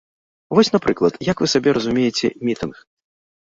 Вось, напрыклад, як вы сабе разумееце мітынг?